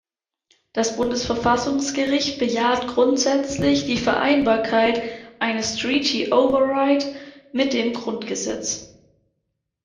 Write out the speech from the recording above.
Das Bundesverfassungsgericht bejaht grundsätzlich die Vereinbarkeit eines Treaty override mit dem Grundgesetz.